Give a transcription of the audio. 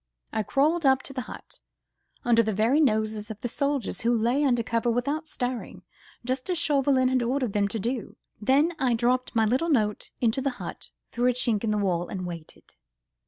I crawled up to the hut, under the very noses of the soldiers, who lay under cover without stirring, just as Chauvelin had ordered them to do, then I dropped my little note into the hut, through a chink in the wall, and waited.